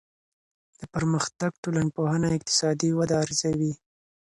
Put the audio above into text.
د پرمختګ ټولنپوهنه اقتصادي وده ارزوي.